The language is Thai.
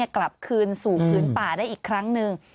กลับคืนสู่พื้นป่าได้อีกครั้งหนึ่ง